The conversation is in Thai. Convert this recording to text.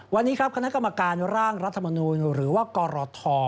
วันนี้ครับคณะกรรมการร่างรัฐมนูลหรือว่ากรท